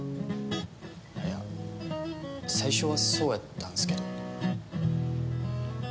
あっいや最初はそうやったんすけど。